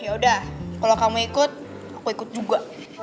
yaudah kalo kamu ikut aku ikut juga